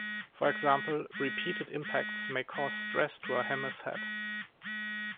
For example, repeated impacts may cause stress to a hammer's head.